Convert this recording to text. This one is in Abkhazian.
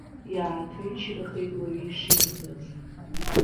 Иааҭынчрахеит уаҩы ишимбац.